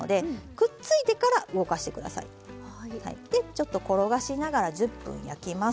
ちょっと転がしながら１０分焼きます。